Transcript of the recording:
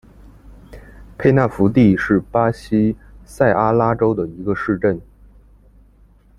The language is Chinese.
佩纳福蒂是巴西塞阿拉州的一个市镇。